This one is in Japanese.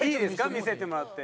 見せてもらって。